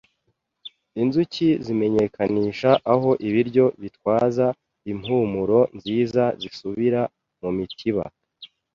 Inzuki zimenyekanisha aho ibiryo bitwaza impumuro nziza zisubira mumitiba